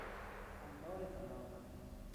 انبار طناب